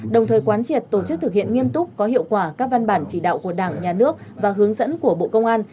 đồng thời quán triệt tổ chức thực hiện nghiêm túc có hiệu quả các văn bản chỉ đạo của đảng nhà nước và hướng dẫn của bộ công an